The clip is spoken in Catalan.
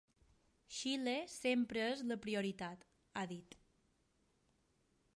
Xile sempre és la prioritat, ha dit.